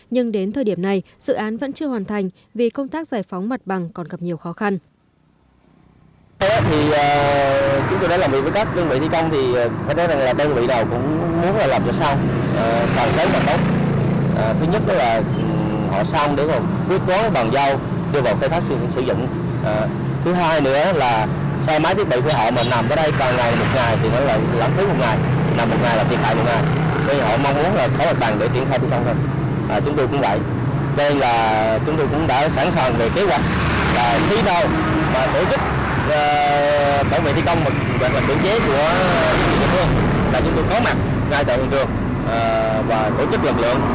nhưng đến thời điểm này dự án vẫn chưa hoàn thành vì công tác giải phóng mặt bằng còn gặp nhiều khó khăn